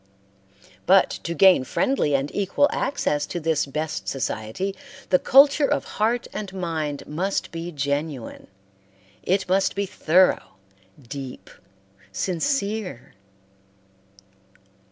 But to gain friendly and equal access to this best society, the culture of heart and mind must be genuine; it must be thorough, deep, sincere.